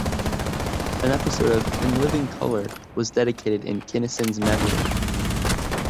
An episode of "In Living Color" was dedicated in Kinison's memory.